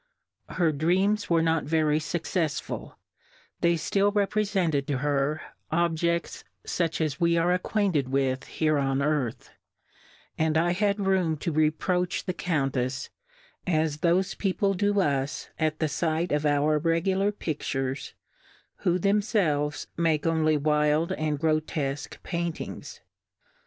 ®^®^ER Dreams were not very ^ H @ fuccefsful; they ftill repre S^®8 fentedtoher, Obieas, fuchas '^ we are acquainted with here on Earth \ and I had room to reproach the Countefs^ as thoie People do us at the Sight of our regular Piftures, who themfelves make only wild and gro tefque Paintings.